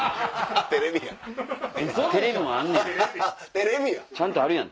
テレビやん。